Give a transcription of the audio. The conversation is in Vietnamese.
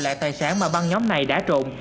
lại tài sản mà băng nhóm này đã trộm